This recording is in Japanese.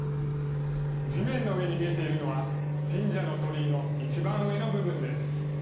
地面の上に見えているのは、神社の鳥居の一番上の部分です。